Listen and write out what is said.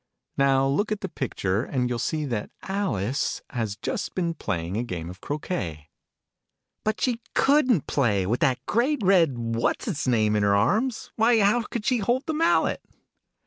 Now look at the picture, and you'll see that Alice has just been playing a Game of Croquet. " But she couldn't play, with that great red what's its name in her arms ! Why, how could she hold the mallet